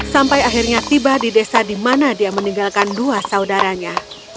sampai akhirnya tiba di desa di mana dia meninggalkan dua saudaranya